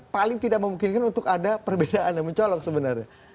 paling tidak memungkinkan untuk ada perbedaan yang mencolok sebenarnya